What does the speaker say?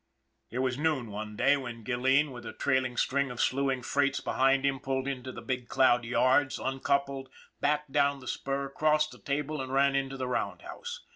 It was noon one day when Gilleen, with a trailing string of slewing freights behind him, pulled into the Big Cloud yards, uncoupled, backed down the spur, crossed the 'table, and ran into the roundhouse.